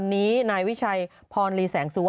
ตาย๖ตัว